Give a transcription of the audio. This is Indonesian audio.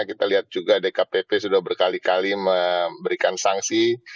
kita lihat juga dkpp sudah berkali kali memberikan sanksi